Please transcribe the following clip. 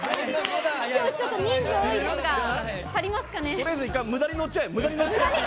とりあえず、むだに乗っちゃえ。